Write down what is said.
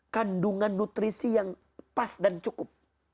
kandungan nutrisi yang pas dan cukup